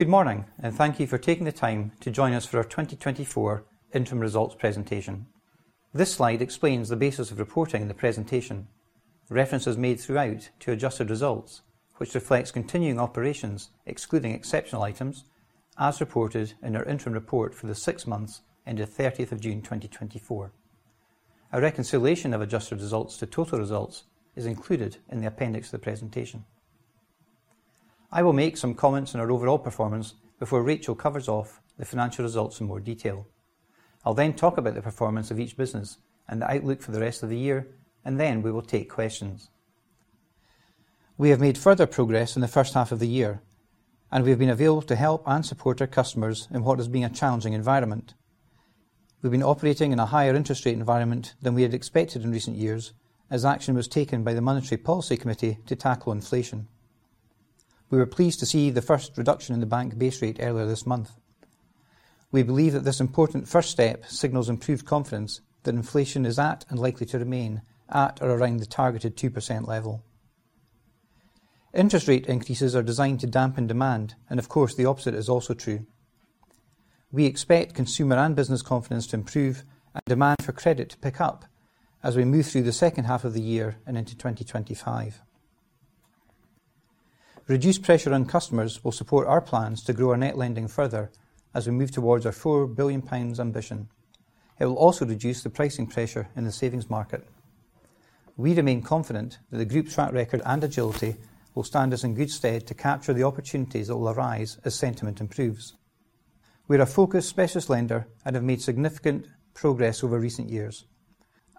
Good morning, and thank you for taking the time to join us for our 2024 interim results presentation. This slide explains the basis of reporting in the presentation. Reference is made throughout to adjusted results, which reflects continuing operations, excluding exceptional items, as reported in our interim report for the six months ended 30th of June, 2024. A reconciliation of adjusted results to total results is included in the appendix of the presentation. I will make some comments on our overall performance before Rachel covers off the financial results in more detail. I'll then talk about the performance of each business and the outlook for the rest of the year, and then we will take questions. We have made further progress in the first half of the year, and we have been available to help and support our customers in what has been a challenging environment. We've been operating in a higher interest rate environment than we had expected in recent years, as action was taken by the Monetary Policy Committee to tackle inflation. We were pleased to see the first reduction in the bank base rate earlier this month. We believe that this important first step signals improved confidence that inflation is at, and likely to remain at or around the targeted 2% level. Interest rate increases are designed to dampen demand, and of course, the opposite is also true. We expect consumer and business confidence to improve and demand for credit to pick up as we move through the second half of the year and into 2025. Reduced pressure on customers will support our plans to grow our net lending further as we move towards our 4 billion pounds ambition. It will also reduce the pricing pressure in the savings market. We remain confident that the group's track record and agility will stand us in good stead to capture the opportunities that will arise as sentiment improves. We're a focused specialist lender and have made significant progress over recent years.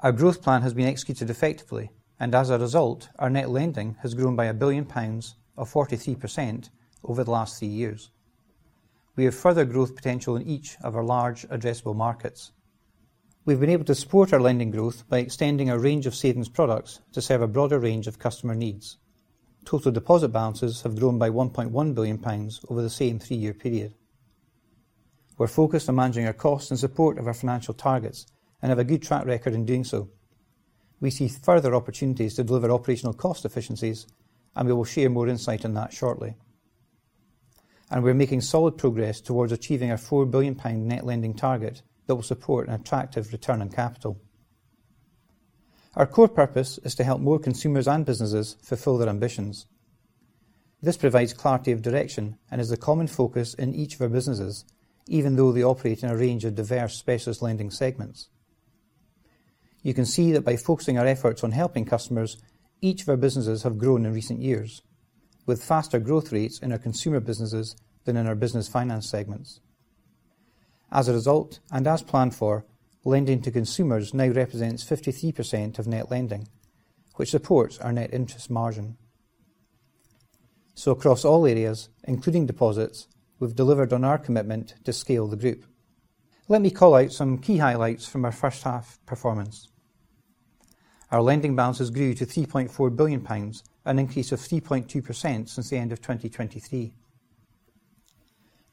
Our growth plan has been executed effectively, and as a result, our net lending has grown by 1 billion pounds of 43% over the last three years. We have further growth potential in each of our large addressable markets. We've been able to support our lending growth by extending our range of savings products to serve a broader range of customer needs. Total deposit balances have grown by 1.1 billion pounds over the same three-year period. We're focused on managing our costs in support of our financial targets and have a good track record in doing so. We see further opportunities to deliver operational cost efficiencies, and we will share more insight on that shortly. We're making solid progress towards achieving our 4 billion pound net lending target that will support an attractive return on capital. Our core purpose is to help more consumers and businesses fulfill their ambitions. This provides clarity of direction and is a common focus in each of our businesses, even though they operate in a range of diverse specialist lending segments. You can see that by focusing our efforts on helping customers, each of our businesses have grown in recent years, with faster growth rates in our consumer businesses than in our business finance segments. As a result, and as planned for, lending to consumers now represents 53% of net lending, which supports our net interest margin. Across all areas, including deposits, we've delivered on our commitment to scale the group. Let me call out some key highlights from our first half performance. Our lending balances grew to 3.4 billion pounds, an increase of 3.2% since the end of 2023.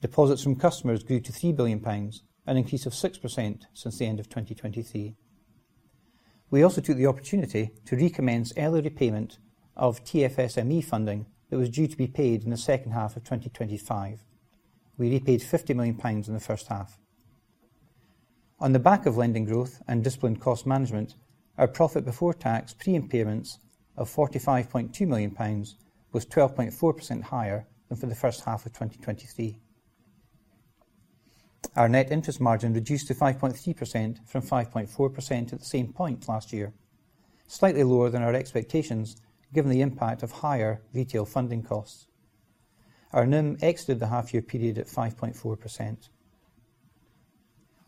Deposits from customers grew to 3 billion pounds, an increase of 6% since the end of 2023. We also took the opportunity to recommence early repayment of TFSME funding that was due to be paid in the second half of 2025. We repaid 50 million pounds in the first half. On the back of lending growth and disciplined cost management, our profit before tax, pre-impairments of 45.2 million pounds, was 12.4% higher than for the first half of 2023. Our net interest margin reduced to 5.3% from 5.4% at the same point last year, slightly lower than our expectations, given the impact of higher retail funding costs. Our NIM exited the half-year period at 5.4%.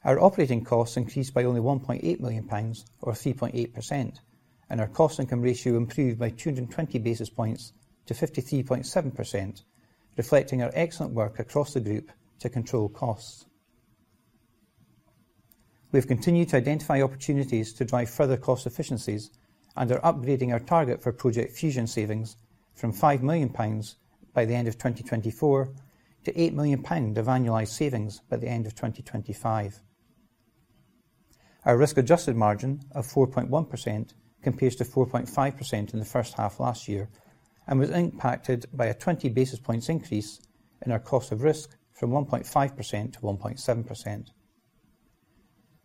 Our operating costs increased by only 1.8 million pounds or 3.8%, and our cost income ratio improved by 220 basis points to 53.7%, reflecting our excellent work across the group to control costs. We've continued to identify opportunities to drive further cost efficiencies and are upgrading our target for Project Fusion savings from 5 million pounds by the end of 2024 to 8 million pound of annualized savings by the end of 2025. Our risk-adjusted margin of 4.1% compares to 4.5% in the first half last year and was impacted by a 20 basis points increase in our cost of risk from 1.5%-1.7%.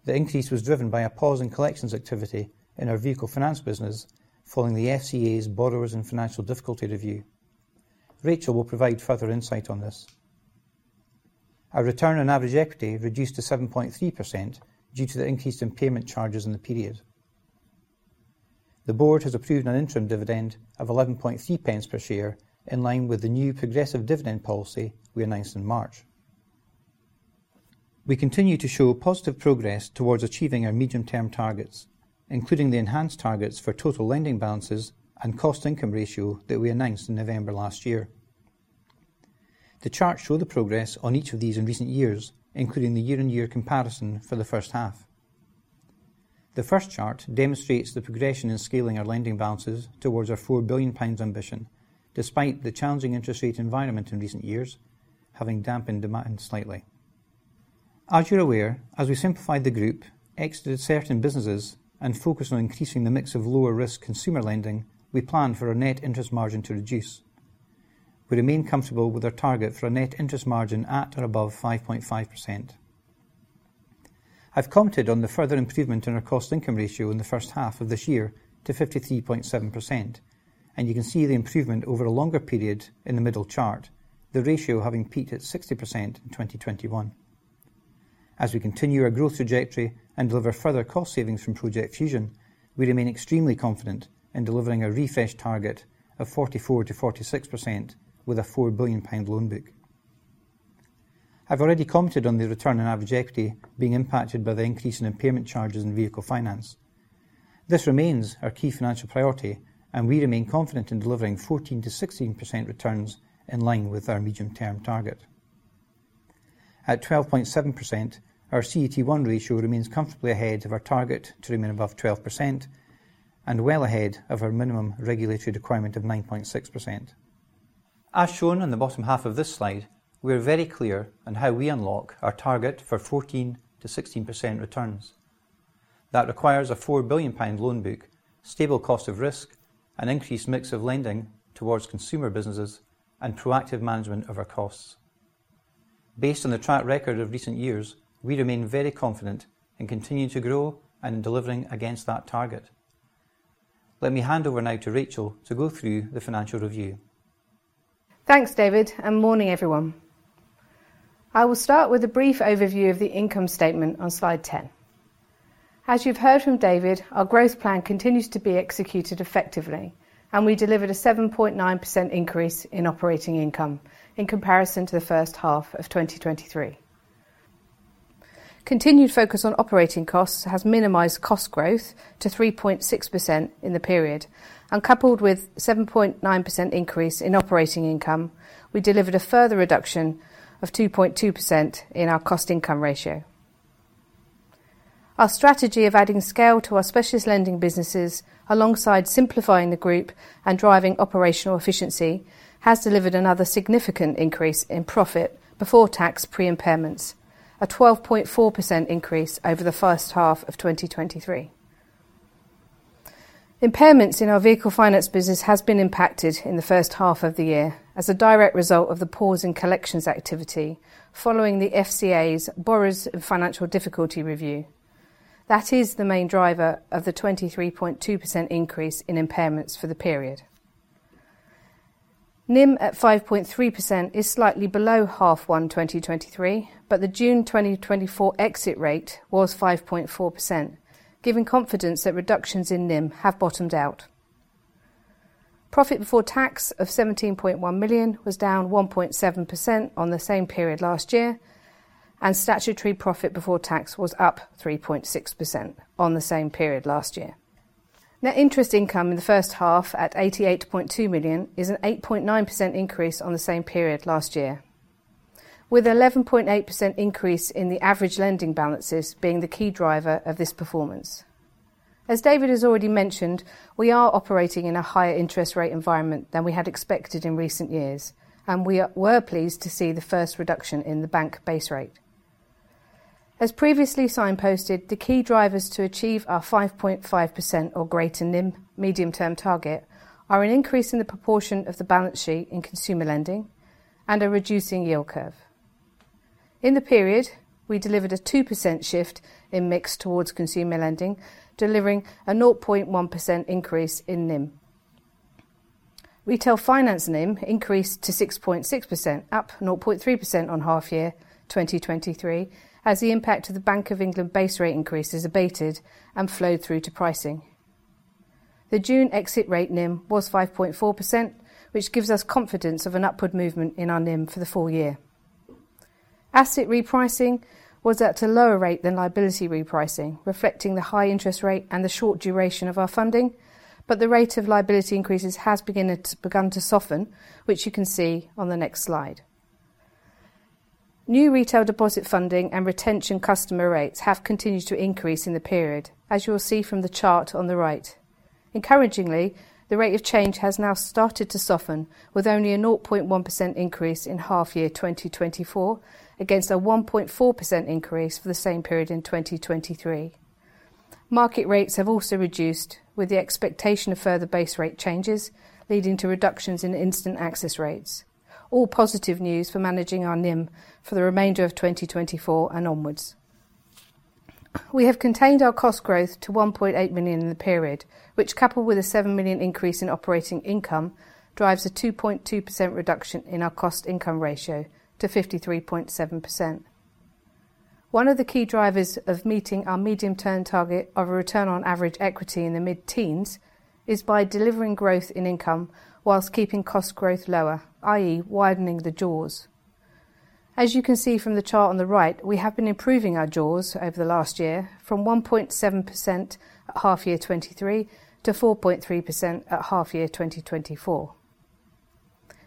The increase was driven by a pause in collections activity in our Vehicle Finance business, following the FCA's Borrowers in Financial Difficulty review. Rachel will provide further insight on this. Our return on average equity reduced to 7.3% due to the increase in payment charges in the period. The board has approved an interim dividend of 11.3 pence per share, in line with the new progressive dividend policy we announced in March. We continue to show positive progress towards achieving our medium-term targets, including the enhanced targets for total lending balances and cost-income ratio that we announced in November last year. The charts show the progress on each of these in recent years, including the year-on-year comparison for the first half. The first chart demonstrates the progression in scaling our lending balances towards our 4 billion pounds ambition, despite the challenging interest rate environment in recent years, having dampened demand slightly. As you're aware, as we simplified the group, exited certain businesses, and focused on increasing the mix of lower-risk consumer lending, we planned for our net interest margin to reduce. We remain comfortable with our target for a net interest margin at or above 5.5%. I've commented on the further improvement in our cost-income ratio in the first half of this year to 53.7%, and you can see the improvement over a longer period in the middle chart, the ratio having peaked at 60% in 2021. As we continue our growth trajectory and deliver further cost savings from Project Fusion, we remain extremely confident in delivering a refreshed target of 44%-46% with a 4 billion pound loan book. I've already commented on the return on average equity being impacted by the increase in impairment charges in Vehicle Finance. This remains our key financial priority, and we remain confident in delivering 14%-16% returns in line with our medium-term target. At 12.7%, our CET1 ratio remains comfortably ahead of our target to remain above 12% and well ahead of our minimum regulatory requirement of 9.6%. As shown on the bottom half of this slide, we are very clear on how we unlock our target for 14%-16% returns. That requires a 4 billion pound loan book, stable cost of risk, an increased mix of lending towards consumer businesses, and proactive management of our costs. Based on the track record of recent years, we remain very confident in continuing to grow and in delivering against that target. Let me hand over now to Rachel to go through the financial review. Thanks, David, and morning, everyone. I will start with a brief overview of the income statement on slide 10. As you've heard from David, our growth plan continues to be executed effectively, and we delivered a 7.9% increase in operating income in comparison to the first half of 2023. Continued focus on operating costs has minimized cost growth to 3.6% in the period, and coupled with 7.9% increase in operating income, we delivered a further reduction of 2.2% in our cost-income ratio. Our strategy of adding scale to our specialist lending businesses, alongside simplifying the group and driving operational efficiency, has delivered another significant increase in profit before tax pre-impairments, a 12.4% increase over the first half of 2023. Impairments in our Vehicle Finance business has been impacted in the first half of the year as a direct result of the pause in collections activity following the FCA's Borrowers in Financial Difficulty review. That is the main driver of the 23.2% increase in impairments for the period. NIM at 5.3% is slightly below half one 2023, but the June 2024 exit rate was 5.4%, giving confidence that reductions in NIM have bottomed out. Profit before tax of 17.1 million was down 1.7% on the same period last year, and statutory profit before tax was up 3.6% on the same period last year. Net interest income in the first half at 88.2 million is an 8.9% increase on the same period last year, with 11.8 increase in the average lending balances being the key driver of this performance. As David has already mentioned, we were pleased to see the first reduction in the bank base rate. As previously signposted, the key drivers to achieve our 5.5% or greater NIM medium-term target are an increase in the proportion of the balance sheet in consumer lending and a reducing yield curve. In the period, we delivered a 2% shift in mix towards consumer lending, delivering a 0.1% increase in NIM. Retail Finance NIM increased to 6.6%, up 0.3% on half year 2023, as the impact of the Bank of England base rate increases abated and flowed through to pricing. The June exit rate NIM was 5.4%, which gives us confidence of an upward movement in our NIM for the full year. Asset repricing was at a lower rate than liability repricing, reflecting the high interest rate and the short duration of our funding, but the rate of liability increases has begun to soften, which you can see on the next slide. New retail deposit funding and retention customer rates have continued to increase in the period, as you will see from the chart on the right. Encouragingly, the rate of change has now started to soften, with only a 0.1% increase in half year 2024, against a 1.4% increase for the same period in 2023. Market rates have also reduced, with the expectation of further base rate changes, leading to reductions in instant access rates. All positive news for managing our NIM for the remainder of 2024 and onwards. We have contained our cost growth to 1.8 million in the period, which, coupled with a 7 million increase in operating income, drives a 2.2% reduction in our cost-income ratio to 53.7%. One of the key drivers of meeting our medium-term target of a return on average equity in the mid-teens is by delivering growth in income whilst keeping cost growth lower, i.e., widening the jaws. As you can see from the chart on the right, we have been improving our jaws over the last year from 1.7% at half year 2023 to 4.3% at half year 2024.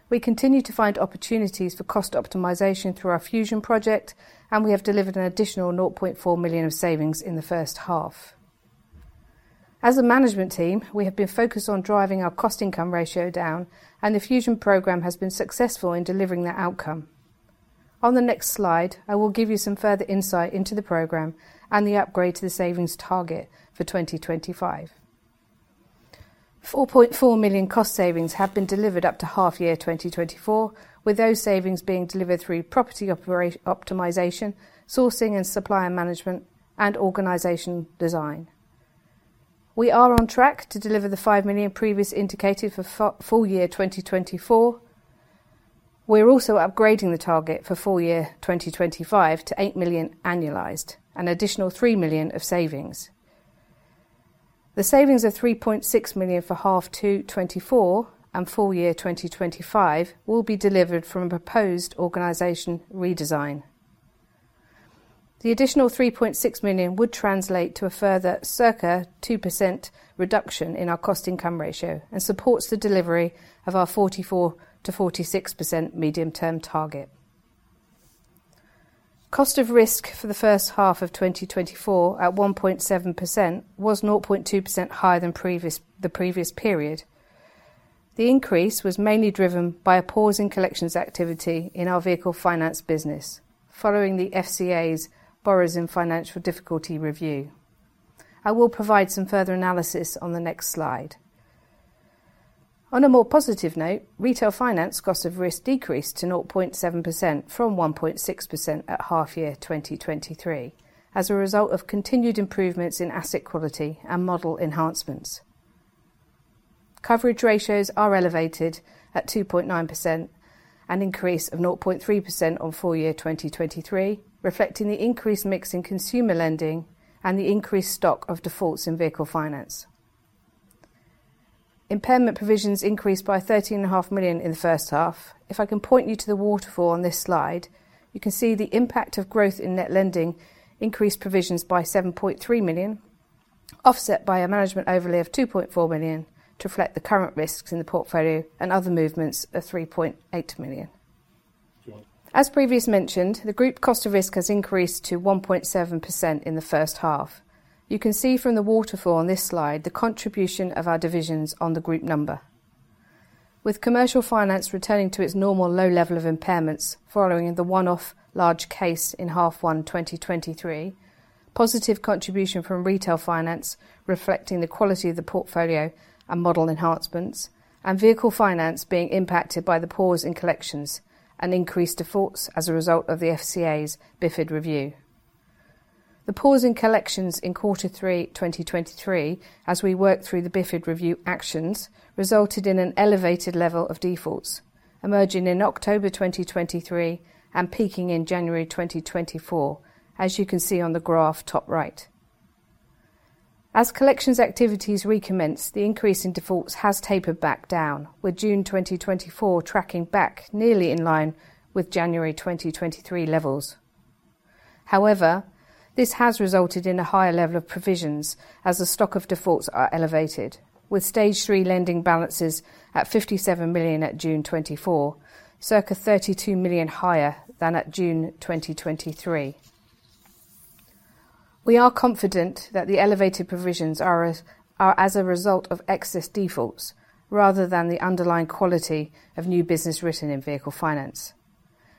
We continue to find opportunities for cost optimization through our Project Fusion, and we have delivered an additional 0.4 million of savings in the first half. As a management team, we have been focused on driving our cost-income ratio down, and the Project Fusion program has been successful in delivering that outcome. On the next slide, I will give you some further insight into the program and the upgrade to the savings target for 2025. 4.4 million cost savings have been delivered up to half year 2024, with those savings being delivered through property optimization, sourcing and supplier management, and organizational design. We are on track to deliver the 5 million previously indicated for full year 2024. We are also upgrading the target for full year 2025 to 8 million annualized, an additional 3 million of savings. The savings of 3.6 million for half 2 2024 and full year 2025 will be delivered from a proposed organization redesign. The additional 3.6 million would translate to a further circa 2% reduction in our cost-income ratio and supports the delivery of our 44%-46% medium-term target. Cost of risk for the first half of 2024, at 1.7%, was 0.2% higher than the previous period. The increase was mainly driven by a pause in collections activity in our Vehicle Finance business, following the FCA's Borrowers in Financial Difficulty review. I will provide some further analysis on the next slide. On a more positive note, Retail Finance cost of risk decreased to 0.7% from 1.6% at half year 2023, as a result of continued improvements in asset quality and model enhancements. Coverage ratios are elevated at 2.9%, an increase of 0.3% on full year 2023, reflecting the increased mix in consumer lending and the increased stock of defaults in Vehicle Finance. Impairment provisions increased by 13.5 million in the first half. If I can point you to the waterfall on this slide, you can see the impact of growth in net lending increased provisions by 7.3 million, offset by a management overlay of 2.4 million to reflect the current risks in the portfolio and other movements of 3.8 million. As previously mentioned, the group cost of risk has increased to 1.7% in the first half. You can see from the waterfall on this slide the contribution of our divisions on the group number. With Commercial Finance returning to its normal low level of impairments following the one-off large case in half one 2023, positive contribution from Retail Finance, reflecting the quality of the portfolio and model enhancements, and Vehicle Finance being impacted by the pause in collections and increased defaults as a result of the FCA's BFID review. The pause in collections in quarter 3 2023, as we worked through the BFID review actions, resulted in an elevated level of defaults, emerging in October 2023 and peaking in January 2024, as you can see on the graph top right. As collections activities recommence, the increase in defaults has tapered back down, with June 2024 tracking back nearly in line with January 2023 levels. However, this has resulted in a higher level of provisions as the stock of defaults are elevated, with stage three lending balances at 57 million at June 2024, circa 32 million higher than at June 2023. We are confident that the elevated provisions are as a result of excess defaults rather than the underlying quality of new business written in Vehicle Finance.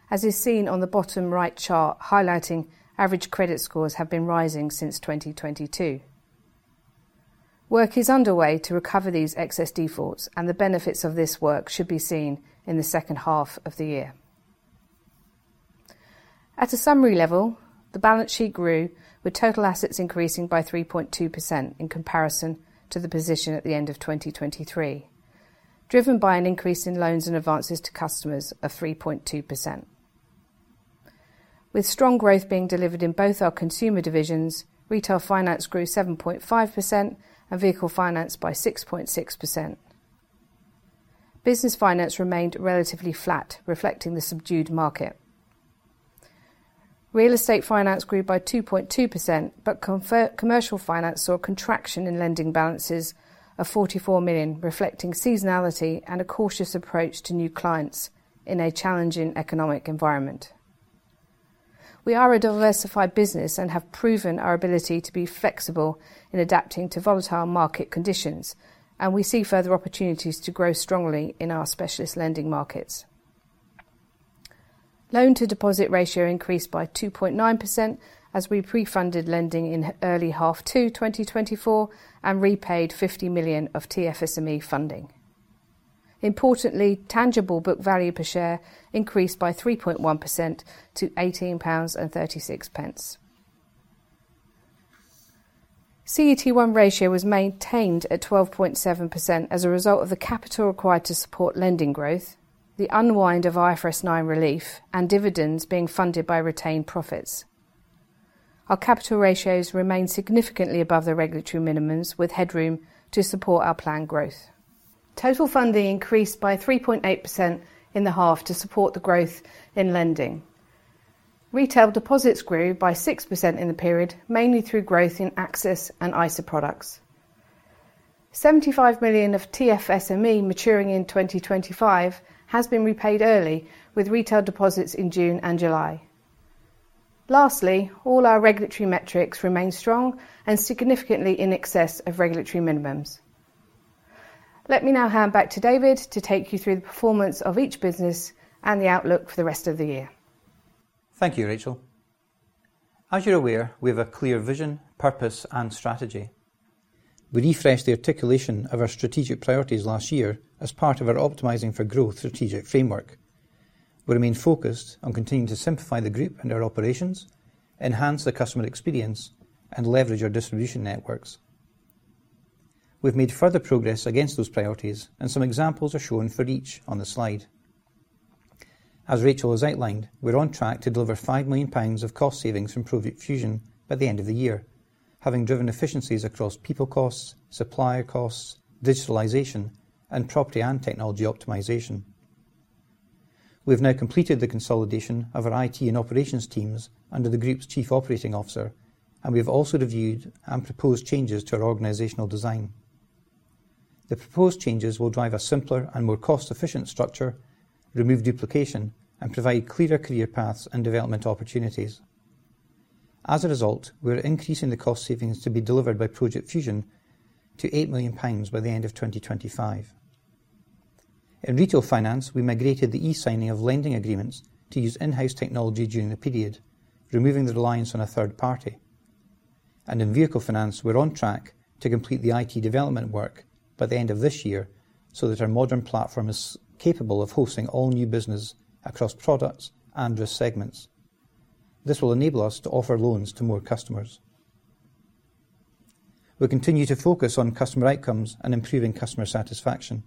As is seen on the bottom right chart, highlighting average credit scores have been rising since 2022. Work is underway to recover these excess defaults, and the benefits of this work should be seen in the second half of the year. At a summary level, the balance sheet grew, with total assets increasing by 3.2% in comparison to the position at the end of 2023, driven by an increase in loans and advances to customers of 3.2%. With strong growth being delivered in both our consumer divisions, Retail Finance grew 7.5% and Vehicle Finance by 6.6%. Business finance remained relatively flat, reflecting the subdued market. Real Estate Finance grew by 2.2%, but Commercial Finance saw a contraction in lending balances of 44 million, reflecting seasonality and a cautious approach to new clients in a challenging economic environment. We are a diversified business and have proven our ability to be flexible in adapting to volatile market conditions, and we see further opportunities to grow strongly in our specialist lending markets. Loan-to-deposit ratio increased by 2.9% as we pre-funded lending in early half 2024 and repaid 50 million of TFSME funding. Importantly, tangible book value per share increased by 3.1% to 18.36 pounds. CET1 ratio was maintained at 12.7% as a result of the capital required to support lending growth, the unwind of IFRS 9 relief, and dividends being funded by retained profits. Our capital ratios remain significantly above the regulatory minimums, with headroom to support our planned growth. Total funding increased by 3.8% in the half to support the growth in lending. Retail deposits grew by 6% in the period, mainly through growth in access and ISA products. 75 million of TFSME maturing in 2025 has been repaid early, with retail deposits in June and July.... Lastly, all our regulatory metrics remain strong and significantly in excess of regulatory minimums. Let me now hand back to David to take you through the performance of each business and the outlook for the rest of the year. Thank you, Rachel. As you're aware, we have a clear vision, purpose, and strategy. We refreshed the articulation of our strategic priorities last year as part of our Optimizing for Growth strategic framework. We remain focused on continuing to simplify the group and our operations, enhance the customer experience, and leverage our distribution networks. We've made further progress against those priorities, and some examples are shown for each on the slide. As Rachel has outlined, we're on track to deliver 5 million pounds of cost savings from Project Fusion by the end of the year, having driven efficiencies across people costs, supplier costs, digitalization, and property and technology optimization. We've now completed the consolidation of our IT and operations teams under the group's chief operating officer, and we have also reviewed and proposed changes to our organizational design. The proposed changes will drive a simpler and more cost-efficient structure, remove duplication, and provide clearer career paths and development opportunities. As a result, we are increasing the cost savings to be delivered by Project Fusion to 8 million pounds by the end of 2025. In Retail Finance, we migrated the e-signing of lending agreements to use in-house technology during the period, removing the reliance on a third party. In Vehicle Finance, we're on track to complete the IT development work by the end of this year, so that our modern platform is capable of hosting all new business across products and risk segments. This will enable us to offer loans to more customers. We continue to focus on customer outcomes and improving customer satisfaction.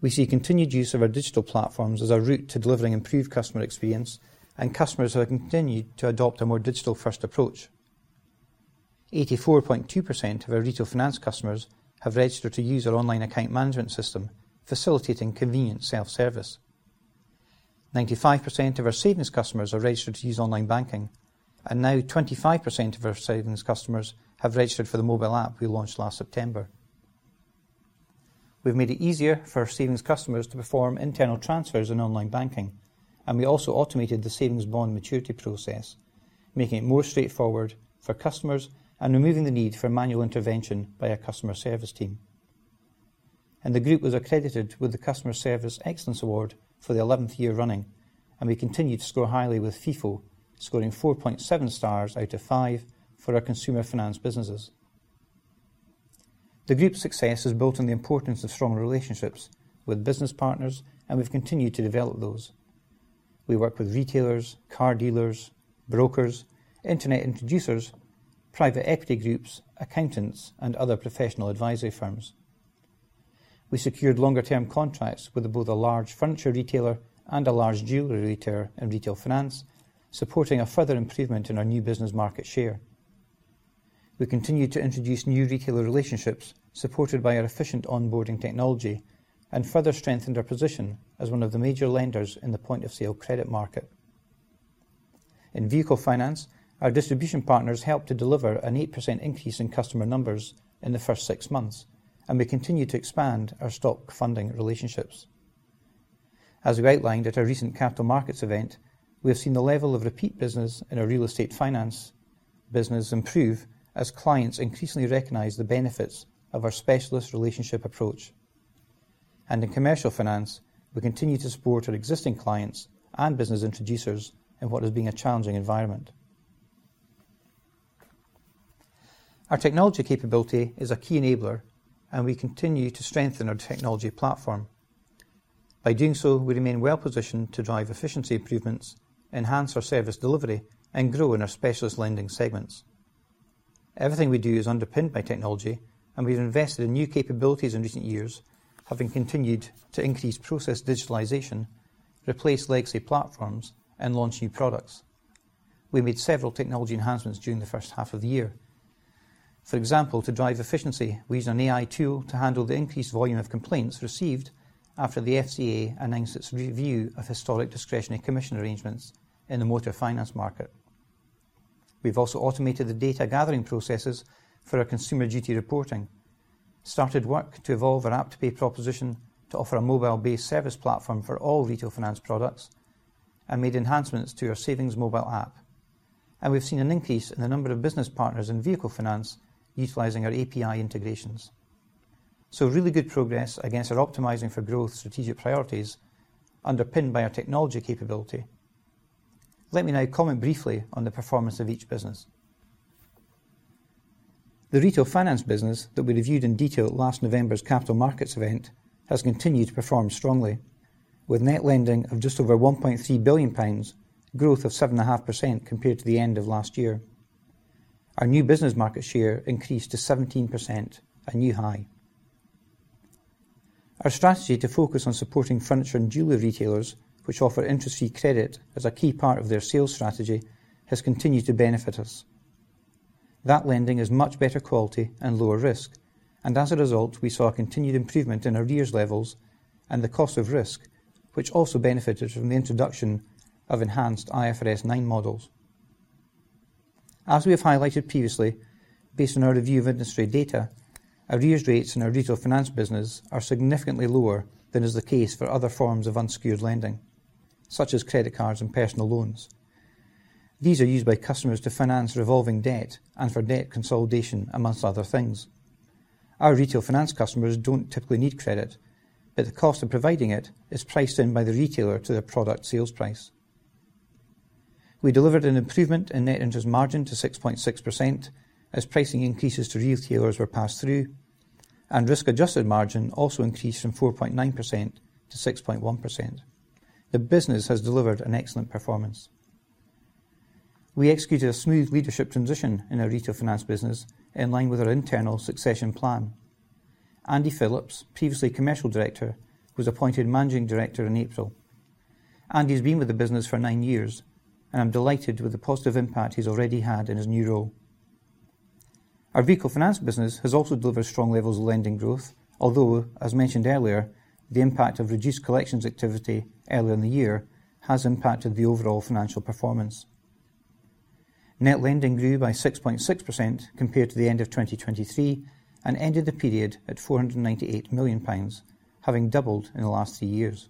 We see continued use of our digital platforms as a route to delivering improved customer experience, and customers have continued to adopt a more digital-first approach. 84.2% of our Retail Finance customers have registered to use our online account management system, facilitating convenient self-service. 95% of our savings customers are registered to use online banking, and now 25% of our savings customers have registered for the mobile app we launched last September. We've made it easier for our savings customers to perform internal transfers in online banking, and we also automated the savings bond maturity process, making it more straightforward for customers and removing the need for manual intervention by our customer service team. The group was accredited with the Customer Service Excellence Award for the eleventh year running, and we continued to score highly with Feefo, scoring 4.7 stars out of five for our consumer finance businesses. The group's success is built on the importance of strong relationships with business partners, and we've continued to develop those. We work with retailers, car dealers, brokers, internet introducers, private equity groups, accountants, and other professional advisory firms. We secured longer-term contracts with both a large furniture retailer and a large jewelry retailer in Retail Finance, supporting a further improvement in our new business market share. We continued to introduce new retailer relationships, supported by our efficient onboarding technology, and further strengthened our position as one of the major lenders in the point of sale credit market. In Vehicle finance, our distribution partners helped to deliver an 8% increase in customer numbers in the first six months, and we continue to expand our stock funding relationships. As we outlined at our recent capital markets event, we have seen the level of repeat business in our Real Estate Finance business improve as clients increasingly recognize the benefits of our specialist relationship approach. And in Commercial Finance, we continue to support our existing clients and business introducers in what has been a challenging environment. Our technology capability is a key enabler, and we continue to strengthen our technology platform. By doing so, we remain well positioned to drive efficiency improvements, enhance our service delivery, and grow in our specialist lending segments. Everything we do is underpinned by technology, and we've invested in new capabilities in recent years, having continued to increase process digitalization, replace legacy platforms, and launch new products. We made several technology enhancements during the first half of the year. For example, to drive efficiency, we used an AI tool to handle the increased volume of complaints received after the FCA announced its review of historic discretionary commission arrangements in the motor finance market. We've also automated the data gathering processes for our Consumer Duty reporting, started work to evolve our AppToPay proposition to offer a mobile-based service platform for all Retail Finance products, and made enhancements to our savings mobile app. And we've seen an increase in the number of business partners in Vehicle Finance utilizing our API integrations. So really good progress against our Optimizing for Growth strategic priorities, underpinned by our technology capability. Let me now comment briefly on the performance of each business. The Retail Finance business that we reviewed in detail at last November's capital markets event has continued to perform strongly, with net lending of just over 1.3 billion pounds, growth of 7.5% compared to the end of last year. Our new business market share increased to 17%, a new high. Our strategy to focus on supporting furniture and jewelry retailers, which offer interest-free credit as a key part of their sales strategy, has continued to benefit us. That lending is much better quality and lower risk, and as a result, we saw a continued improvement in our arrears levels and the cost of risk, which also benefited from the introduction of enhanced IFRS 9 models... As we have highlighted previously, based on our review of industry data, our arrears rates in our Retail Finance business are significantly lower than is the case for other forms of unsecured lending, such as credit cards and personal loans. These are used by customers to finance revolving debt and for debt consolidation, among other things. Our Retail Finance customers don't typically need credit, but the cost of providing it is priced in by the retailer to the product sales price. We delivered an improvement in net interest margin to 6.6% as pricing increases to retailers were passed through, and risk-adjusted margin also increased from 4.9%-6.1%. The business has delivered an excellent performance. We executed a smooth leadership transition in our Retail Finance business in line with our internal succession plan. Andy Phillips, previously Commercial Director, was appointed Managing Director in April. Andy's been with the business for 9 years, and I'm delighted with the positive impact he's already had in his new role. Our Vehicle Finance business has also delivered strong levels of lending growth, although, as mentioned earlier, the impact of reduced collections activity earlier in the year has impacted the overall financial performance. Net lending grew by 6.6% compared to the end of 2023 and ended the period at 498 million pounds, having doubled in the last 3 years.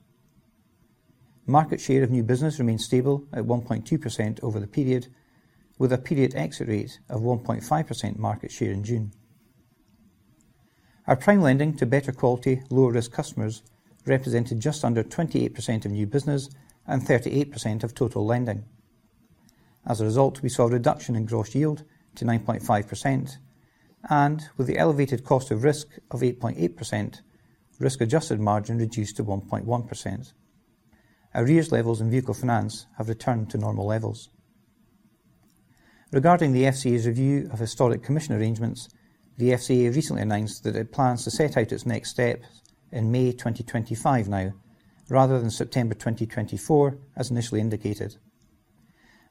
Market share of new business remains stable at 1.2% over the period, with a period exit rate of 1.5% market share in June. Our prime lending to better quality, lower-risk customers represented just under 28% of new business and 38% of total lending. As a result, we saw a reduction in gross yield to 9.5%, and with the elevated cost of risk of 8.8%, risk-adjusted margin reduced to 1.1%. Arrears levels in Vehicle Finance have returned to normal levels. Regarding the FCA's review of historic commission arrangements, the FCA recently announced that it plans to set out its next step in May 2025 now, rather than September 2024, as initially indicated.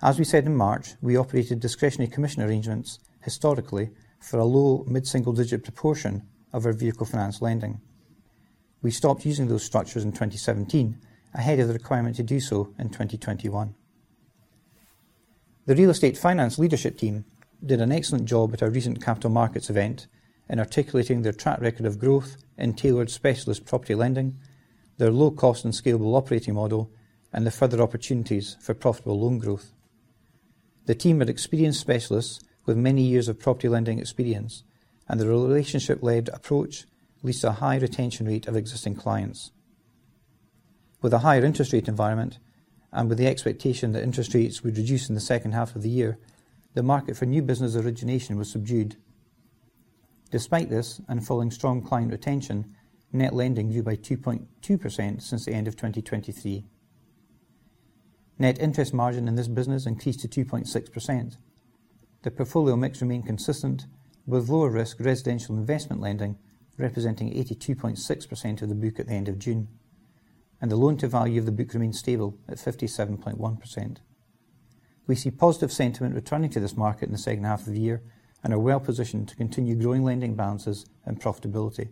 As we said in March, we operated discretionary commission arrangements historically for a low, mid-single-digit proportion of our Vehicle Finance lending. We stopped using those structures in 2017, ahead of the requirement to do so in 2021. The Real Estate Finance leadership team did an excellent job at our recent capital markets event in articulating their track record of growth in tailored specialist property lending, their low cost and scalable operating model, and the further opportunities for profitable loan growth. The team are experienced specialists with many years of property lending experience, and their relationship-led approach leads to a high retention rate of existing clients. With a higher interest rate environment and with the expectation that interest rates would reduce in the second half of the year, the market for new business origination was subdued. Despite this, and following strong client retention, net lending grew by 2.2% since the end of 2023. Net interest margin in this business increased to 2.6%. The portfolio mix remained consistent, with lower risk residential investment lending representing 82.6% of the book at the end of June, and the loan-to-value of the book remained stable at 57.1%. We see positive sentiment returning to this market in the second half of the year and are well positioned to continue growing lending balances and profitability.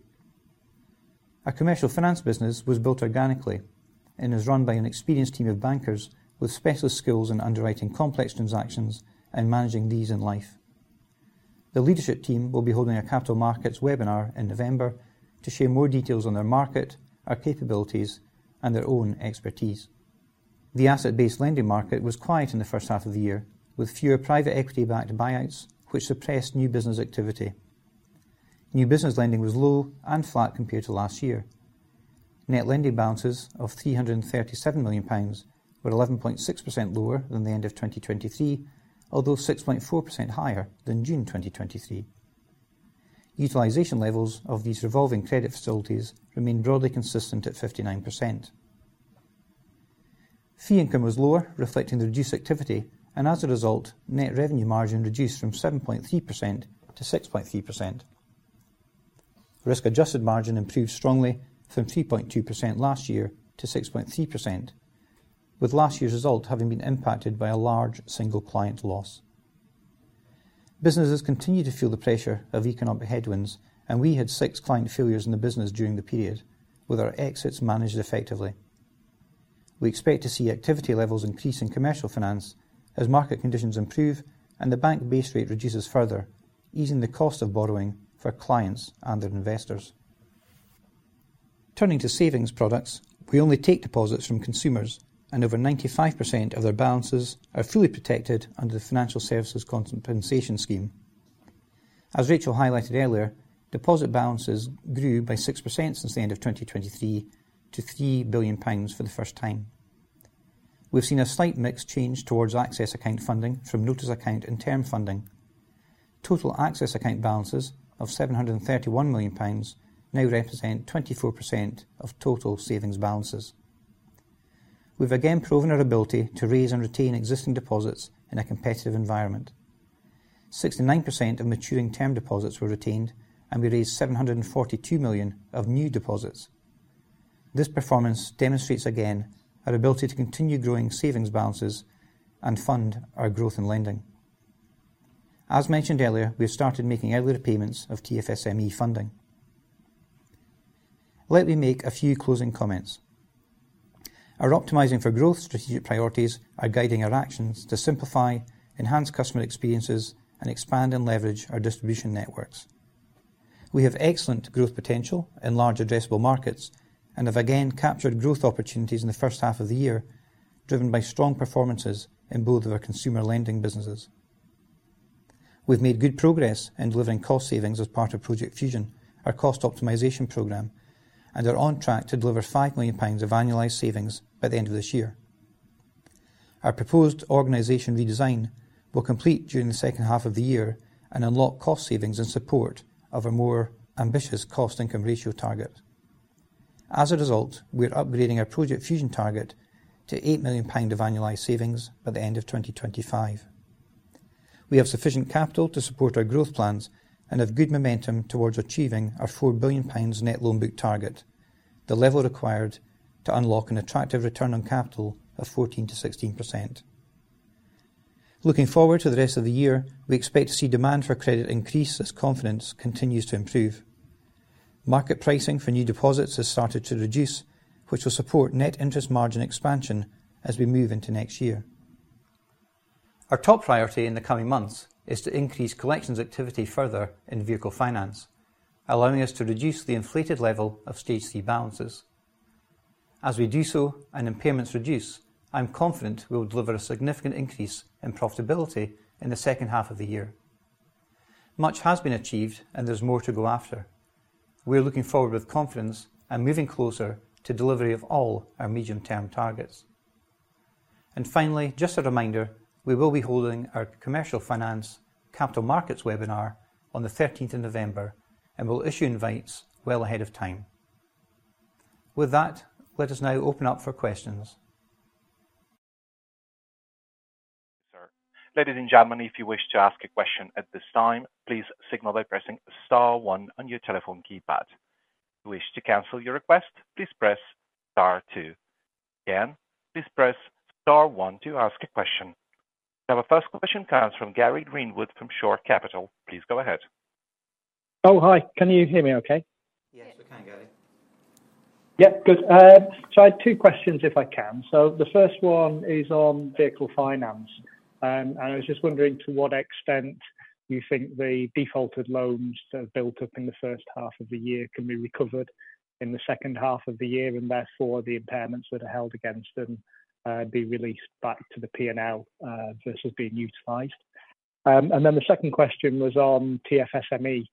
Our Commercial Finance business was built organically and is run by an experienced team of bankers with specialist skills in underwriting complex transactions and managing these in life. The leadership team will be holding a capital markets webinar in November to share more details on their market, our capabilities, and their own expertise. The asset-based lending market was quiet in the first half of the year, with fewer private equity-backed buyouts, which suppressed new business activity. New business lending was low and flat compared to last year. Net lending balances of GBP 337 million were 11.6% lower than the end of 2023, although 6.4% higher than June 2023. Utilization levels of these revolving credit facilities remain broadly consistent at 59%. Fee income was lower, reflecting the reduced activity, and as a result, net revenue margin reduced from 7.3%-6.3%. Risk-adjusted margin improved strongly from 3.2% last year to 6.3%, with last year's result having been impacted by a large single client loss. Businesses continue to feel the pressure of economic headwinds, and we had 6 client failures in the business during the period, with our exits managed effectively. We expect to see activity levels increase in Commercial Finance as market conditions improve and the bank base rate reduces further, easing the cost of borrowing for clients and their investors. Turning to savings products, we only take deposits from consumers, and over 95% of their balances are fully protected under the Financial Services Compensation Scheme. As Rachel highlighted earlier, deposit balances grew by 6% since the end of 2023 to 3 billion pounds for the first time. We've seen a slight mix change towards access account funding from notice account and term funding. Total access account balances of 731 million pounds now represent 24% of total savings balances. We've again proven our ability to raise and retain existing deposits in a competitive environment. 69% of maturing term deposits were retained, and we raised 742 million of new deposits. This performance demonstrates again our ability to continue growing savings balances and fund our growth in lending. As mentioned earlier, we have started making earlier payments of TFSME funding... Let me make a few closing comments. Our optimizing for growth strategic priorities are guiding our actions to simplify, enhance customer experiences, and expand and leverage our distribution networks. We have excellent growth potential in large addressable markets and have again captured growth opportunities in the first half of the year, driven by strong performances in both of our consumer lending businesses. We've made good progress in delivering cost savings as part of Project Fusion, our cost optimization program, and are on track to deliver 5 million pounds of annualized savings by the end of this year. Our proposed organization redesign will complete during the second half of the year and unlock cost savings in support of a more ambitious cost-income ratio target. As a result, we're upgrading our Project Fusion target to 8 million pound of annualized savings by the end of 2025. We have sufficient capital to support our growth plans and have good momentum towards achieving our 4 billion pounds net loan book target, the level required to unlock an attractive return on capital of 14%-16%. Looking forward to the rest of the year, we expect to see demand for credit increase as confidence continues to improve. Market pricing for new deposits has started to reduce, which will support net interest margin expansion as we move into next year. Our top priority in the coming months is to increase collections activity further in Vehicle Finance, allowing us to reduce the inflated level of stage three balances. As we do so and impairments reduce, I'm confident we will deliver a significant increase in profitability in the second half of the year. Much has been achieved and there's more to go after. We're looking forward with confidence and moving closer to delivery of all our medium-term targets. And finally, just a reminder, we will be holding our Commercial Finance capital markets webinar on the 13th of November, and we'll issue invites well ahead of time. With that, let us now open up for questions. Sir, ladies and gentlemen, if you wish to ask a question at this time, please signal by pressing star one on your telephone keypad. If you wish to cancel your request, please press star two. Again, please press star one to ask a question. Now our first question comes from Gary Greenwood from Shore Capital. Please go ahead. Oh, hi. Can you hear me okay? Yes, we can, Gary. Yep, good. So I have two questions, if I can. So the first one is on Vehicle Finance, and I was just wondering to what extent you think the defaulted loans that have built up in the first half of the year can be recovered in the second half of the year, and therefore, the impairments that are held against them be released back to the P&L versus being utilized? And then the second question was on TFSME,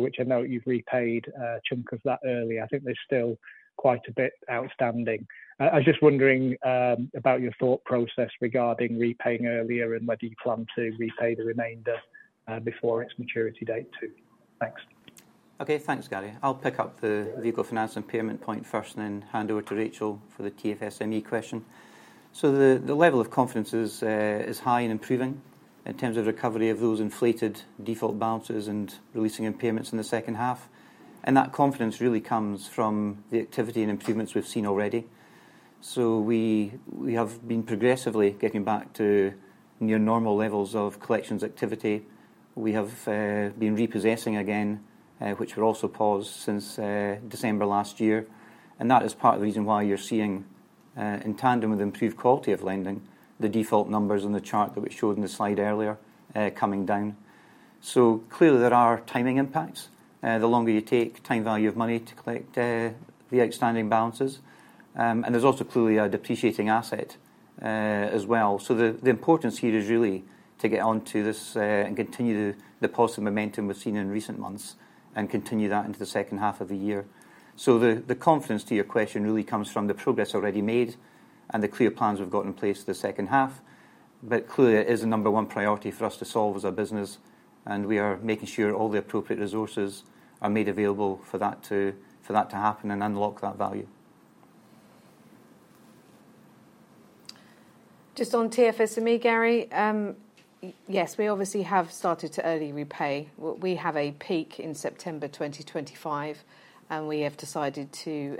which I know you've repaid a chunk of that earlier. I think there's still quite a bit outstanding. I was just wondering about your thought process regarding repaying earlier and whether you plan to repay the remainder before its maturity date, too. Thanks. Okay, thanks, Gary. I'll pick up the Vehicle Finance impairment point first and then hand over to Rachel for the TFSME question. So the level of confidence is high and improving in terms of recovery of those inflated default balances and releasing impairments in the second half, and that confidence really comes from the activity and improvements we've seen already. So we have been progressively getting back to near normal levels of collections activity. We have been repossessing again, which were also paused since December last year, and that is part of the reason why you're seeing, in tandem with improved quality of lending, the default numbers on the chart that we showed in the slide earlier, coming down. So clearly, there are timing impacts. The longer you take, time value of money to collect, the outstanding balances, and there's also clearly a depreciating asset, as well. So the importance here is really to get on to this, and continue the positive momentum we've seen in recent months and continue that into the second half of the year. So the confidence to your question really comes from the progress already made and the clear plans we've got in place for the second half, but clearly, it is a number one priority for us to solve as a business, and we are making sure all the appropriate resources are made available for that to, for that to happen and unlock that value. Just on TFSME, Gary, yes, we obviously have started to early repay. We have a peak in September 2025, and we have decided to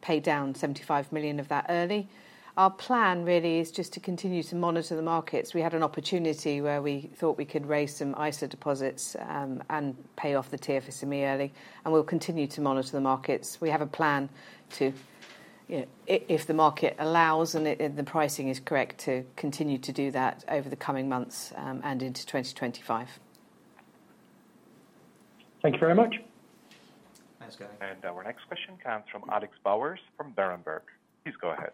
pay down 75 million of that early. Our plan really is just to continue to monitor the markets. We had an opportunity where we thought we could raise some ISA deposits and pay off the TFSME early, and we'll continue to monitor the markets. We have a plan to, you know, if the market allows and the pricing is correct, to continue to do that over the coming months and into 2025. Thank you very much. Thanks, Gary. Our next question comes from Alex Bowers from Berenberg. Please go ahead.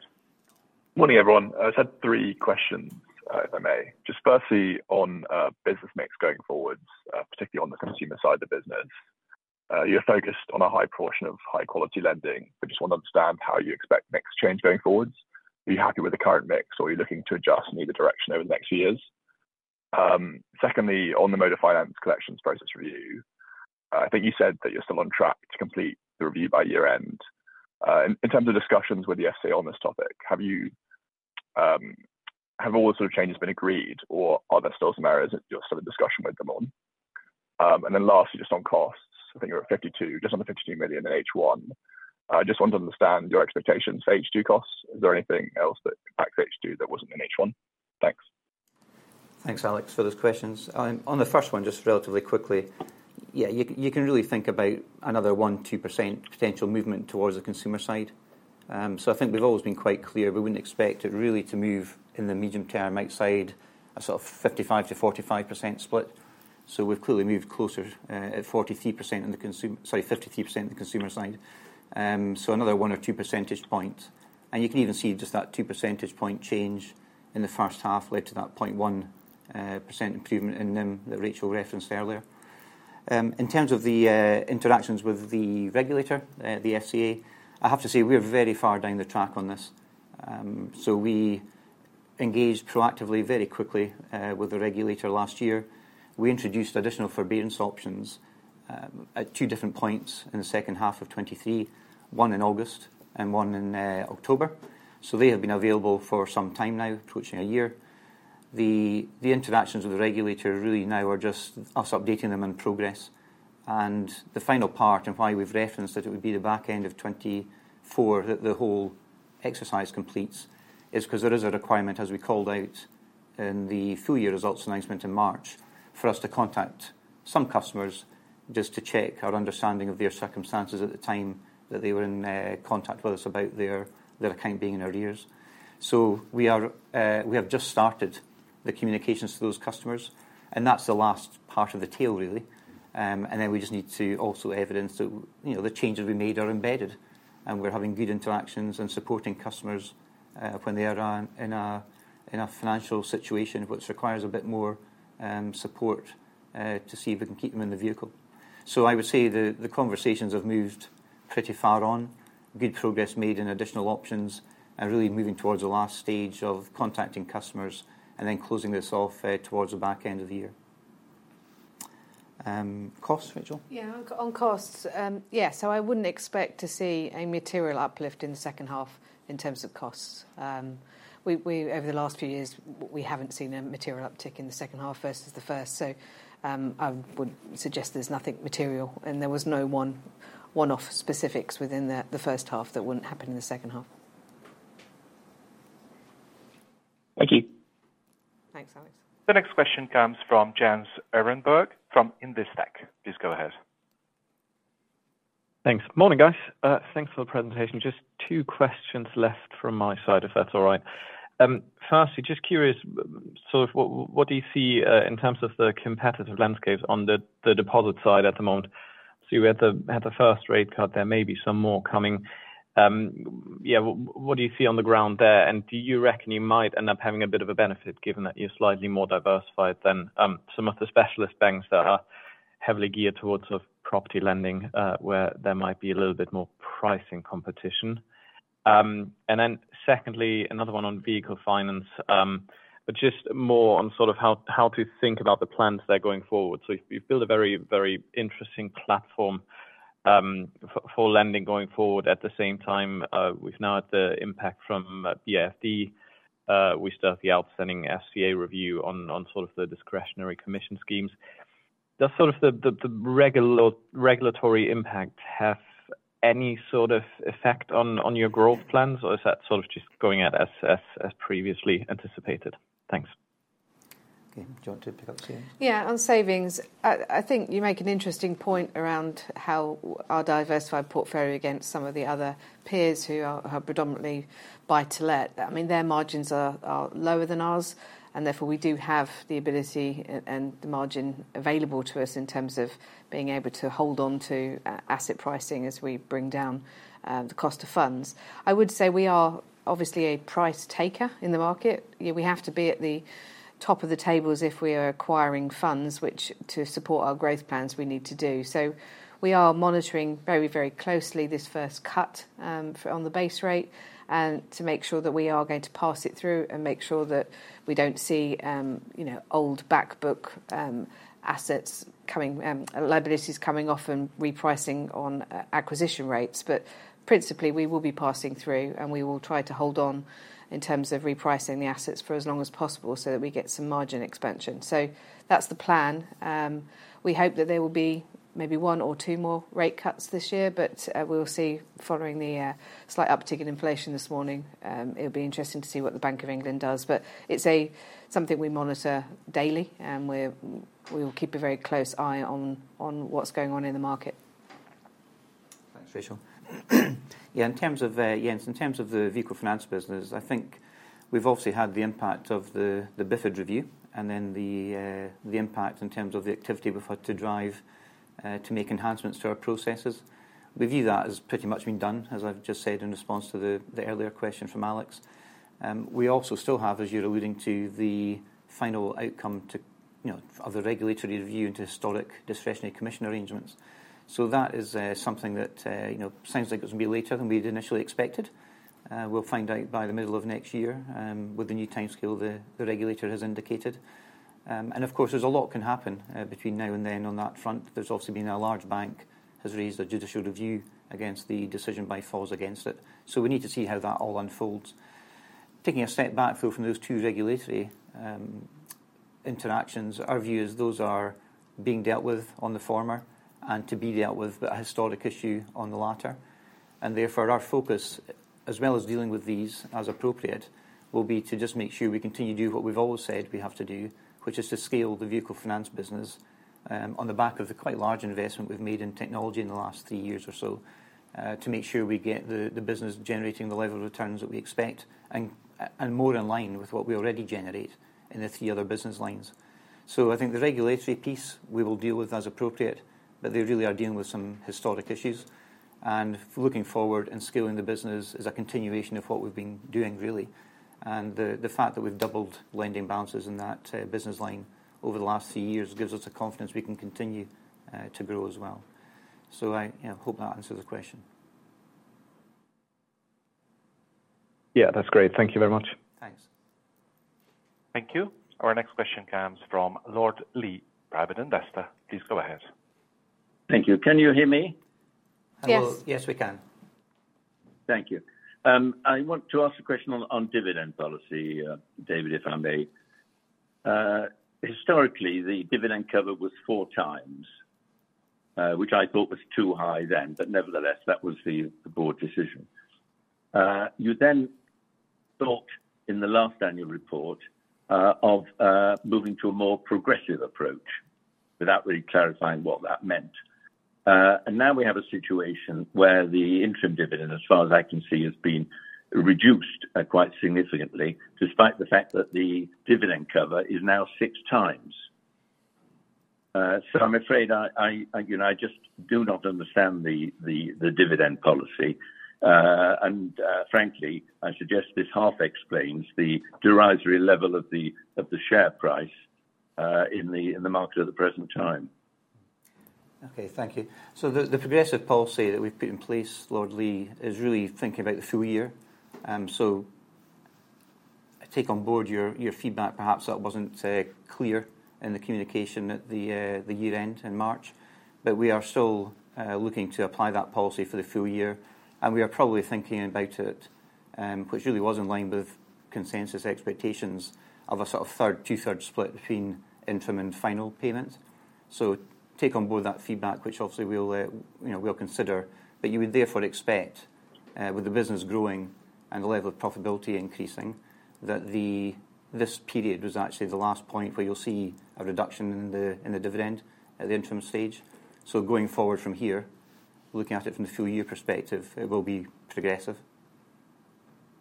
Morning, everyone. I just had three questions, if I may. Just firstly, on business mix going forward, particularly on the consumer side of the business. You're focused on a high portion of high-quality lending, but just want to understand how you expect mix change going forward. Are you happy with the current mix, or are you looking to adjust maybe the direction over the next few years? Secondly, on the motor finance collections process review, I think you said that you're still on track to complete the review by year-end. In terms of discussions with the FCA on this topic, have all the sort of changes been agreed, or are there still some areas that you're still in discussion with them on? And then lastly, just on costs, I think you're at 52, just on the 52 million in H1, I just want to understand your expectations for H2 costs. Is there anything else that impacts H2 that wasn't in H1? Thanks. Thanks, Alex, for those questions. On the first one, just relatively quickly, yeah, you, you can really think about another 1-2% potential movement towards the consumer side. So I think we've always been quite clear, we wouldn't expect it really to move in the medium term outside a sort of 55%-45% split. So we've clearly moved closer, at 43% in the consumer side, sorry, 53% in the consumer side. So another one or two percentage points, and you can even see just that two percentage point change in the first half led to that 0.1% improvement in NIM that Rachel referenced earlier. In terms of the interactions with the regulator, the FCA, I have to say we are very far down the track on this. So we engaged proactively, very quickly, with the regulator last year. We introduced additional forbearance options at two different points in the second half of 2023, one in August and one in October. So they have been available for some time now, approaching a year. The interactions with the regulator really now are just us updating them on progress. And the final part, and why we've referenced that it would be the back end of 2024 that the whole exercise completes, is 'cause there is a requirement, as we called out in the full year results announcement in March, for us to contact some customers just to check our understanding of their circumstances at the time that they were in contact with us about their account being in arrears. So we have just started the communications to those customers, and that's the last part of the tail, really. And then we just need to also evidence that, you know, the changes we made are embedded, and we're having good interactions and supporting customers when they are in a financial situation which requires a bit more support to see if we can keep them in the vehicle. So I would say the conversations have moved pretty far on, good progress made in additional options, and really moving towards the last stage of contacting customers and then closing this off, towards the back end of the year. Costs, Rachel? Yeah, on costs. Yeah, so I wouldn't expect to see a material uplift in the second half in terms of costs. We over the last few years, we haven't seen a material uptick in the second half versus the first. So, I would suggest there's nothing material, and there was no one-off specifics within the first half that wouldn't happen in the second half. Thank you. Thanks, Alex. The next question comes from Jens Ehrenberg, from Investec. Please go ahead. Thanks. Morning, guys. Thanks for the presentation. Just two questions left from my side, if that's all right. Firstly, just curious, so what do you see in terms of the competitive landscape on the deposit side at the moment? So you had the first rate cut, there may be some more coming. Yeah, what do you see on the ground there? And do you reckon you might end up having a bit of a benefit, given that you're slightly more diversified than some of the specialist banks that are heavily geared towards sort of property lending, where there might be a little bit more pricing competition? And then secondly, another one on Vehicle Finance, but just more on sort of how to think about the plans there going forward. So you've built a very, very interesting platform for lending going forward. At the same time, we've now had the impact from BFID. We still have the outstanding FCA review on sort of the discretionary commission schemes. Does sort of the regulatory impact have any sort of effect on your growth plans, or is that sort of just going out as previously anticipated? Thanks. Okay. Do you want to pick up here? Yeah, on savings, I think you make an interesting point around how our diversified portfolio against some of the other peers who are predominantly buy-to-let. I mean, their margins are lower than ours, and therefore, we do have the ability and the margin available to us in terms of being able to hold on to asset pricing as we bring down the cost of funds. I would say we are obviously a price taker in the market. Yeah, we have to be at the top of the tables if we are acquiring funds, which to support our growth plans, we need to do. So we are monitoring very, very closely this first cut for on the base rate, and to make sure that we are going to pass it through and make sure that we don't see, you know, old back book assets coming liabilities coming off and repricing on acquisition rates. But principally, we will be passing through, and we will try to hold on in terms of repricing the assets for as long as possible so that we get some margin expansion. So that's the plan. We hope that there will be maybe one or two more rate cuts this year, but we'll see following the slight uptick in inflation this morning. It'll be interesting to see what the Bank of England does, but it's something we monitor daily, and we will keep a very close eye on what's going on in the market. Thanks, Rachel. Yeah, in terms of, Jens, in terms of the Vehicle Finance business, I think we've obviously had the impact of the, the BFID review and then the, the impact in terms of the activity we've had to drive to make enhancements to our processes. We view that as pretty much being done, as I've just said in response to the, the earlier question from Alex. We also still have, as you're alluding to, the final outcome to, you know, of the regulatory review into historic discretionary commission arrangements. So that is something that, you know, sounds like it's going to be later than we'd initially expected. We'll find out by the middle of next year, with the new timescale the, the regulator has indicated. And of course, there's a lot can happen, between now and then on that front. There's also been a large bank has raised a judicial review against the decision by FCA against it. So we need to see how that all unfolds. Taking a step back, though, from those two regulatory, interactions, our view is those are being dealt with on the former and to be dealt with, but a historic issue on the latter. and therefore, our focus, as well as dealing with these as appropriate, will be to just make sure we continue to do what we've always said we have to do, which is to scale the Vehicle Finance business, on the back of the quite large investment we've made in technology in the last three years or so, to make sure we get the business generating the level of returns that we expect and more in line with what we already generate in the three other business lines. So I think the regulatory piece we will deal with as appropriate, but they really are dealing with some historic issues. Looking forward, scaling the business is a continuation of what we've been doing, really, and the fact that we've doubled lending balances in that business line over the last three years gives us the confidence we can continue to grow as well. So I, you know, hope that answers the question. Yeah, that's great. Thank you very much. Thanks. Thank you. Our next question comes from Lord Lee, private investor. Please go ahead. Thank you. Can you hear me? Yes. Yes, we can. Thank you. I want to ask a question on dividend policy, David, if I may. Historically, the dividend cover was 4x, which I thought was too high then, but nevertheless, that was the board decision. You then thought in the last annual report of moving to a more progressive approach without really clarifying what that meant. And now we have a situation where the interim dividend, as far as I can see, has been reduced quite significantly, despite the fact that the dividend cover is now 6x. So I'm afraid, you know, I just do not understand the dividend policy. And frankly, I suggest this half explains the derisory level of the share price in the market at the present time. Okay, thank you. So the progressive policy that we've put in place, Lord Lee, is really thinking about the full year. So I take on board your feedback. Perhaps that wasn't clear in the communication at the year-end in March, but we are still looking to apply that policy for the full year, and we are probably thinking about it, which really was in line with consensus expectations of a sort of third, two-third split between interim and final payments. So take on board that feedback, which obviously we'll, you know, we'll consider, but you would therefore expect, with the business growing and the level of profitability increasing, that this period was actually the last point where you'll see a reduction in the dividend at the interim stage. Going forward from here, looking at it from the full year perspective, it will be progressive.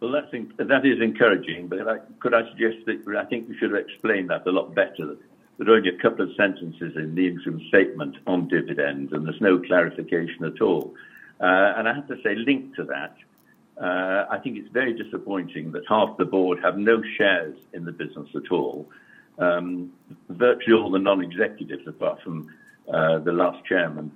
Well, that thing, that is encouraging, but could I suggest that I think you should explain that a lot better? There are only a couple of sentences in the interim statement on dividends, and there's no clarification at all. I have to say, linked to that, I think it's very disappointing that half the board have no shares in the business at all. Virtually all the non-executives, apart from the last chairman,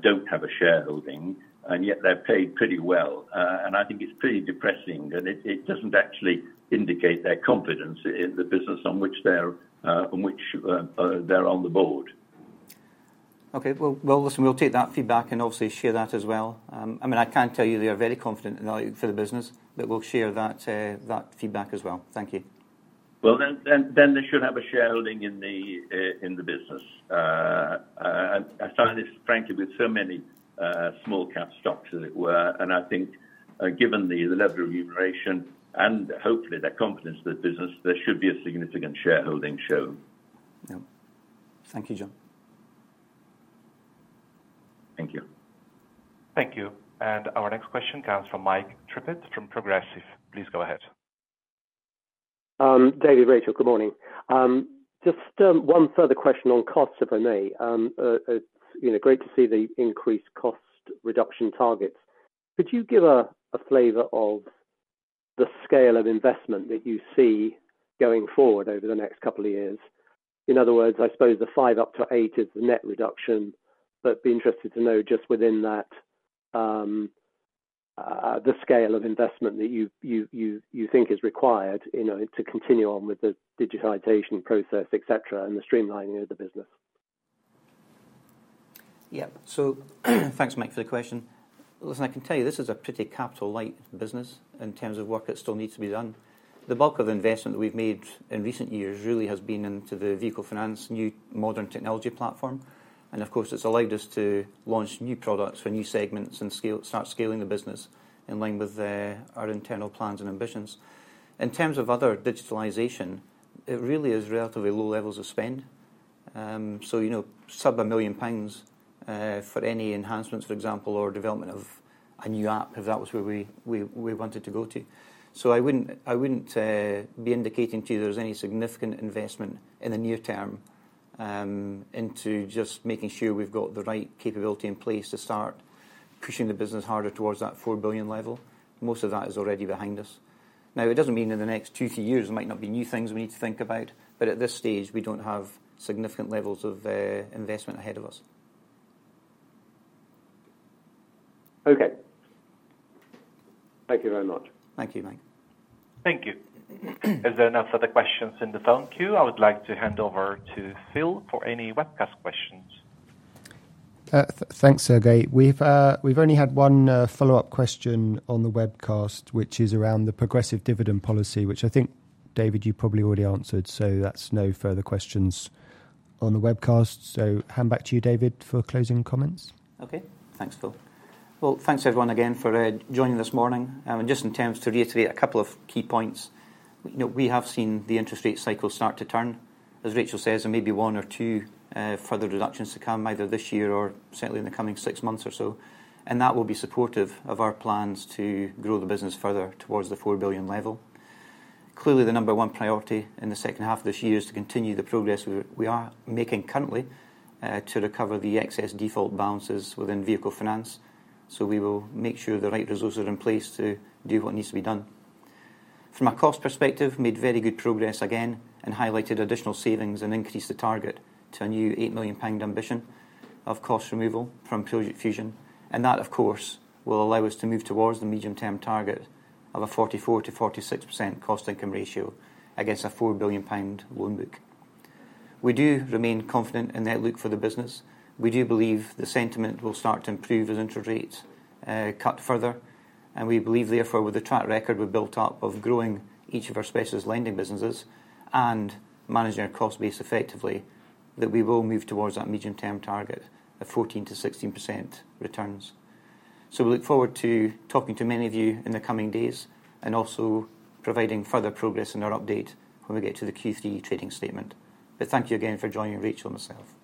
don't have a shareholding, and yet they're paid pretty well. I think it's pretty depressing, and it doesn't actually indicate their confidence in the business on which they're on the board. Okay. Well, well, listen, we'll take that feedback and obviously share that as well. I mean, I can tell you they are very confident in, for the business, but we'll share that, that feedback as well. Thank you. Well, then, they should have a shareholding in the business. I find this, frankly, with so many small-cap stocks, as it were, and I think, given the level of remuneration and hopefully the confidence of the business, there should be a significant shareholding shown. Yeah. Thank you, John. Thank you. Thank you. Our next question comes from Mike Trippitt from Progressive. Please go ahead. David, Rachel, good morning. Just one further question on costs, if I may. It's, you know, great to see the increased cost reduction targets. Could you give a flavor of the scale of investment that you see going forward over the next couple of years? In other words, I suppose the 5 up to 8 is the net reduction, but be interested to know just within that, the scale of investment that you think is required, you know, to continue on with the digitization process, et cetera, and the streamlining of the business. Yeah. So thanks, Mike, for the question. Listen, I can tell you this is a pretty capital light business in terms of work that still needs to be done. The bulk of investment we've made in recent years really has been into the Vehicle Finance, new modern technology platform, and of course, it's allowed us to launch new products for new segments and start scaling the business in line with our internal plans and ambitions. In terms of other digitalization, it really is relatively low levels of spend. So, you know, sub 1 million pounds for any enhancements, for example, or development of a new app, if that was where we wanted to go to. So I wouldn't be indicating to you there's any significant investment in the near term into just making sure we've got the right capability in place to start pushing the business harder towards that 4 billion level. Most of that is already behind us. Now, it doesn't mean in the next 2-3 years, there might not be new things we need to think about, but at this stage, we don't have significant levels of investment ahead of us. Okay. Thank you very much. Thank you, Mike. Thank you. As there are no further questions in the phone queue, I would like to hand over to Phil for any webcast questions. Thanks, Sergey. We've only had one follow-up question on the webcast, which is around the progressive dividend policy, which I think, David, you probably already answered, so that's no further questions on the webcast. So hand back to you, David, for closing comments. Okay. Thanks, Phil. Well, thanks, everyone, again, for joining this morning. And just in terms to reiterate a couple of key points, you know, we have seen the interest rate cycle start to turn. As Rachel says, there may be one or two further reductions to come, either this year or certainly in the coming six months or so, and that will be supportive of our plans to grow the business further towards the 4 billion level. Clearly, the number one priority in the second half of this year is to continue the progress we, we are making currently to recover the excess default balances within Vehicle Finance. So we will make sure the right resources are in place to do what needs to be done. From a cost perspective, we made very good progress again and highlighted additional savings and increased the target to a new 8 million pound ambition of cost removal from Project Fusion. That, of course, will allow us to move towards the medium-term target of a 44%-46% cost-income ratio against a 4 billion pound loan book. We do remain confident in the outlook for the business. We do believe the sentiment will start to improve as interest rates cut further, and we believe, therefore, with the track record we've built up of growing each of our specialist lending businesses and managing our cost base effectively, that we will move towards that medium-term target of 14%-16% returns. We look forward to talking to many of you in the coming days and also providing further progress in our update when we get to the Q3 trading statement. Thank you again for joining Rachel and myself. Thank you.